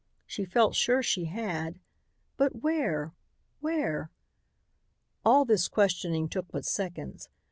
She felt sure she had. But where? Where? All this questioning took but seconds.